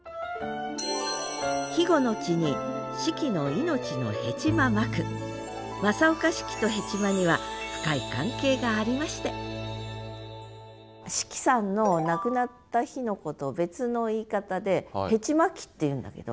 ここで私も一句正岡子規とヘチマには深い関係がありまして子規さんの亡くなった日のことを別の言い方で糸瓜忌っていうんだけど。